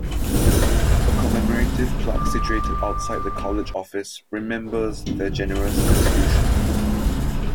A commemorative plaque situated outside the college office remembers their generous contribution.